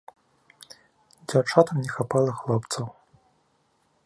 Дзяўчатам не хапала хлопцаў.